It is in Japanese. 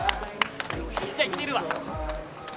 じゃあ行ってるわ